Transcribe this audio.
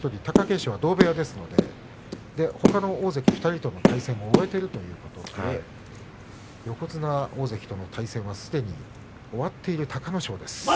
貴景勝は同部屋ですからほかの２人との対戦を終えているということで横綱大関との対戦はすでに終わっている隆の勝です。